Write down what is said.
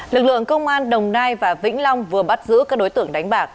lực lượng công an đồng nai và vĩnh long vừa bắt giữ các đối tượng đánh bạc